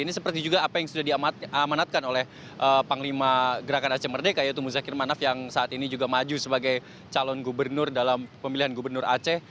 ini seperti juga apa yang sudah diamanatkan oleh panglima gerakan aceh merdeka yaitu muzakir manaf yang saat ini juga maju sebagai calon gubernur dalam pemilihan gubernur aceh